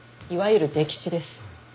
いわゆる溺死です。